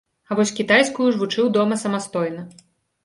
А вось кітайскую ж вучыў дома самастойна.